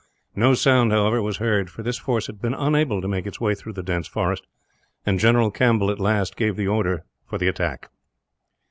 No sound, however, was heard, for this force had been unable to make its way through the dense forest; and General Campbell, at last, gave the order for the attack.